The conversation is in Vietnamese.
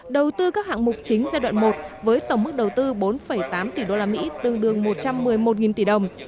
đầu tư các hạng mục chính giai đoạn một với tổng mức đầu tư bốn tám tỷ đô la mỹ tương đương một trăm một mươi một tỷ đồng